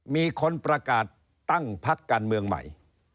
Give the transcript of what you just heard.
มีคนประกาศตั้งพักการเมืองใหม่